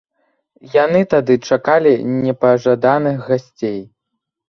Яны тады чакалі непажаданых гасцей.